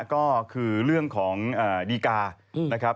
ก็คือเรื่องของดีคา